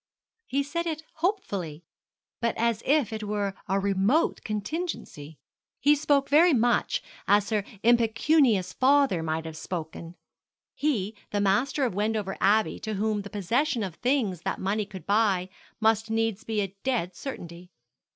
He said it hopefully, but as if it were a remote contingency. He spoke very much as her impecunious father might have spoken. He, the master of Wendover Abbey, to whom the possession of things that money could buy must needs be a dead certainty.